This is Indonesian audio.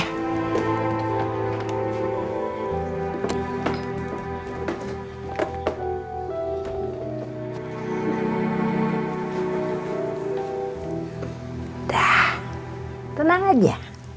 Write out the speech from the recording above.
udah tenang aja